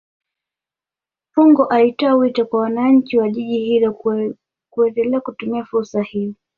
fungo alitoa wito kwa wananchi wa jiji hilo kuendelea kutumia fursa hiyo